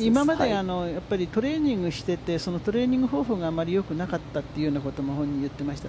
今まで、トレーニングしてて、そのトレーニング方法があんまりよくなかったということも、本人は言っていました。